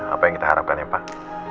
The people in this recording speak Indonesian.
apa yang kita harapkan ya pak